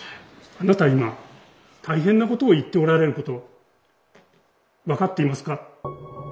あなた今大変なことを言っておられること分かっていますか？